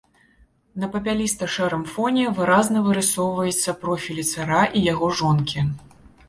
На папяліста-шэрым фоне выразна вырысоўваецца профілі цара і яго жонкі.